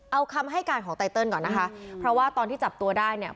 เอาคำให้การของไตเติลก่อนนะคะเพราะว่าตอนที่จับตัวได้เนี่ย